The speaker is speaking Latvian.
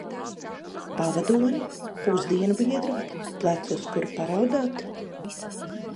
Pavadoni, pusdienu biedru, plecu, uz kura paraudāt?